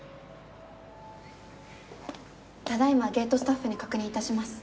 ただ今ゲートスタッフに確認致します。